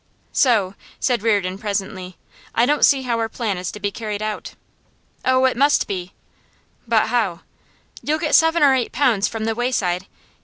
'So,' said Reardon, presently, 'I don't see how our plan is to be carried out.' 'Oh, it must be!' 'But how?' 'You'll get seven or eight pounds from The Wayside.